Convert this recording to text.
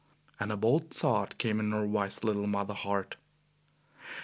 And a bold thought came in her wise little mother heart.